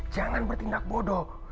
jangan bertindak bodoh